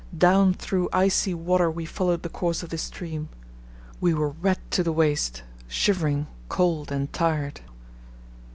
Down through icy water we followed the course of this stream. We were wet to the waist, shivering, cold, and tired.